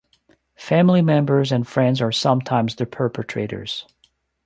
Family members and friends are sometimes the perpetrators.